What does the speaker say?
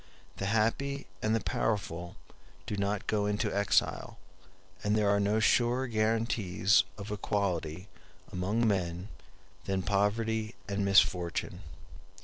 The happy and the powerful do not go into exile, and there are no surer guarantees of equality among men than poverty and misfortune.